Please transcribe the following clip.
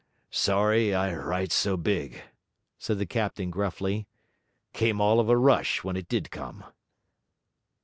'Sorry I write so big,' said the captain gruffly. 'Came all of a rush, when it did come.'